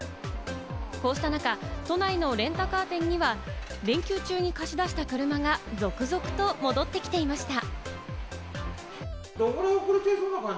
こうした中、都内のレンタカー店には、連休中に貸し出した車が続々と戻ってきていました。